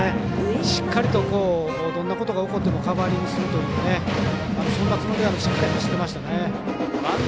しっかりとどんなことが起こってもカバーリングするというそんなつもりでしっかり走っていましたね。